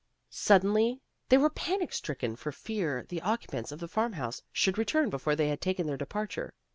Suddenly they were panic stricken for fear the occupants of the farm house should return before they had taken their departure.